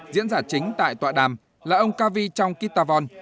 diễn giả chính tại tọa đàm là ông kavi chong kitavon